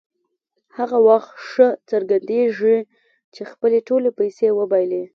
هغه وخت ښه څرګندېږي چې خپلې ټولې پیسې وبایلي.